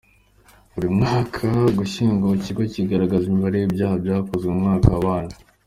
Buri mwaka mu Ugushyingo, iki kigo kigaragaza imibare y’ibyaha byakozwe mu mwaka wabanje.